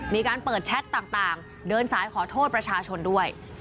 มีการเปิดแชทต่างเดินสายขอโทษประชาชนด้วย